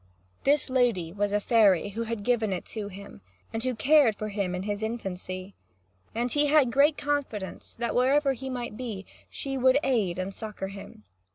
This lady was a fairy, who had given it to him, and who had cared for him in his infancy. And he had great confidence that, wherever he might be, she would aid and succour him.